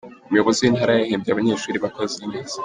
Umuyobozi wintara yahembye abanyeshuri bakoze neza